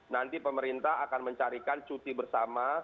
nanti pemerintah akan mencarikan cuti bersama